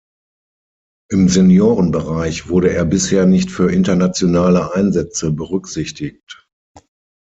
Im Seniorenbereich wurde er bisher nicht für internationale Einsätze berücksichtigt.